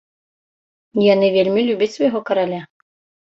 Яны вельмі любяць свайго караля.